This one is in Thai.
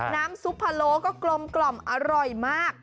น้ำซุปพะโลก็กลมอร่อยมาก